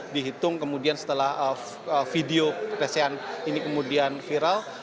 dihitung kemudian setelah video pelecehan ini kemudian viral